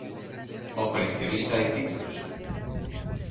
O coleccionista de títulos.